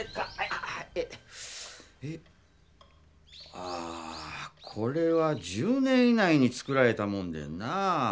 ああこれは１０年以内に作られたもんでんなぁ。